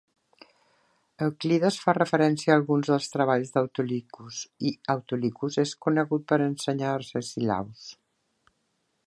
Euclides fa referència a alguns dels treballs d'Autolycus, i Autolycus és conegut per ensenyar a Arcesilaus.